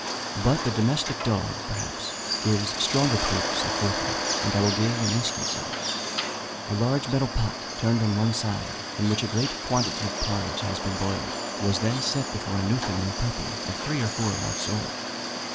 But the domestic dog, perhaps, gives stronger proofs of forethought; and I will give an instance of it. A large metal pot, turned on one side, in which a great quantity of porridge had been boiled, was set before a Newfoundland puppy of three or four months old.